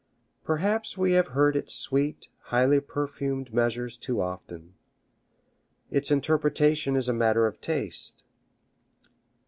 Perhaps we have heard its sweet, highly perfumed measures too often. Its interpretation is a matter of taste.